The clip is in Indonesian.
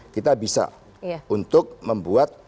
kita bisa untuk membuat